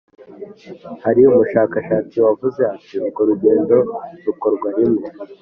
Hari umushakashatsi wavuze ati Urwo rugendo rukorwa rimwe